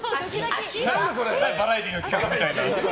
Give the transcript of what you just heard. バラエティーの企画みたいな。